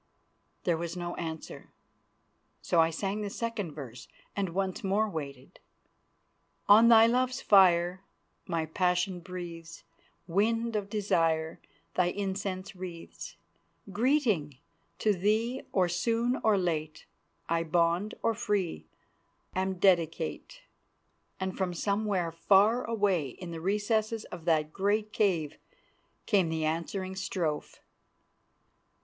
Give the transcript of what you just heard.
There was no answer, so I sang the second verse and once more waited. "On thy love's fire My passion breathes, Wind of Desire Thy incense wreathes. Greeting! To thee, Or soon or late, I, bond or free, Am dedicate." And from somewhere far away in the recesses of that great cave came the answering strophe.